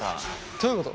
どういうこと？